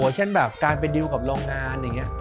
เช่นแบบการไปดิวกับโรงงาน